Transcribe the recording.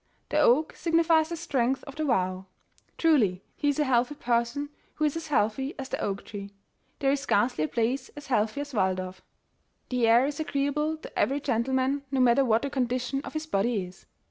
The oak signifies the strength of the vow. Truly, he is a healthy person, who is as healthy as the oak tree; There is scarcely a place as healthy as Walldorf. 15 The Original John Jacob Astor The air is agreeable to every gentleman, no matter what the condition of his body is.